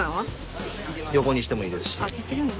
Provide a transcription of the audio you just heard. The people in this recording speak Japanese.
横にしてもいいですし。